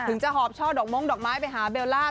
ถึงจะหอบช่อดอกม้งดอกไม้ไปหาเบลล่า